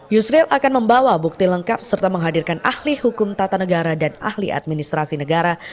yusril akan membawa bukti lengkap serta menghadirkan ahli hukum tata negara dan ahli administrasi negara